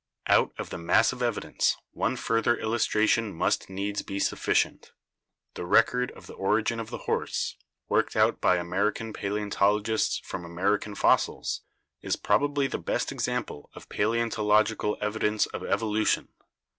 (Fig. 21.) Out of the mass of evidence, one further illustration must needs be sufficient. The record of the origin of the horse, worked out by American paleontologists from Amer ican fossils, is probably the best example of paleontological evidence of evolution.